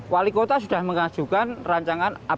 wali kota sudah mengajukan rancangan apbn